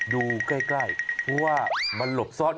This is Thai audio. ดูใกล้เพราะว่ามันหลบซ่อน